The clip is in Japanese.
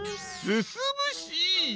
すすむし！